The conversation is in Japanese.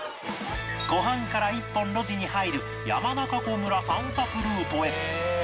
湖畔から１本路地に入る山中湖村散策ルートへ